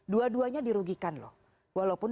dua duanya dirugikan loh walaupun